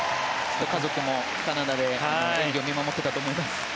家族もカナダで演技を見守っていたと思います。